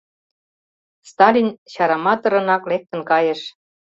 Сталин чараматырынак лектын кайыш.